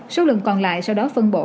số lượng còn lại sau đó phân bổ